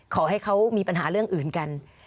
ขอให้เขามีปัญหาเรื่องอื่นกัน